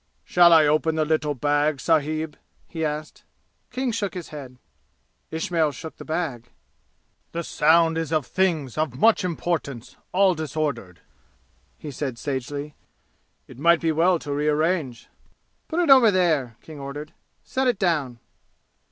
"Shall I open the little bag, sahib?" he asked. King shook his head. Ismail shook the bag. "The sound is as of things of much importance all disordered," he said sagely. "It might be well to rearrange." "Put it over there!" King ordered. "Set it down!"